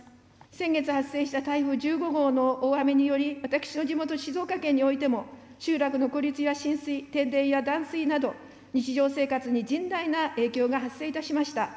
先月発生した台風１５号の大雨により、私の地元、静岡県においても、集落の孤立や浸水、停電や断水など、日常生活に甚大な影響が発生いたしました。